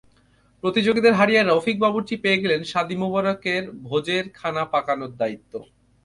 প্রতিযোগীদের হারিয়ে রফিক বাবুর্চি পেয়ে গেলেন শাদি মোবারকের ভোজের খানা পাকানোর দায়িত্ব।